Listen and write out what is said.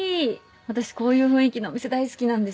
私こういう雰囲気のお店大好きなんですよ。